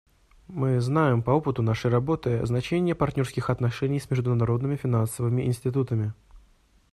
Мы знаем по опыту нашей работы значение партнерских отношений с международными финансовыми институтами.